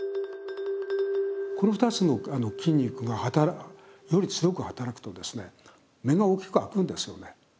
この２つの筋肉がより強く働くと目が大きく開くんですよね。